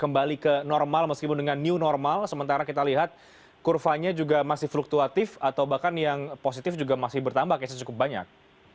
kembali ke normal meskipun dengan new normal sementara kita lihat kurvanya juga masih fluktuatif atau bahkan yang positif juga masih bertambah kayaknya cukup banyak